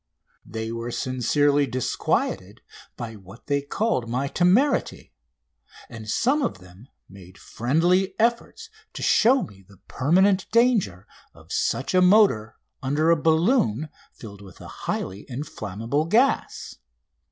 They were sincerely disquieted by what they called my temerity, and some of them made friendly efforts to show me the permanent danger of such a motor under a balloon filled with a highly inflammable gas.